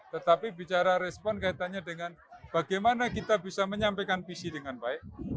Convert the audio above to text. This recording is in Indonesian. tetapi bicara respon kaitannya dengan bagaimana kita bisa menyampaikan visi dengan baik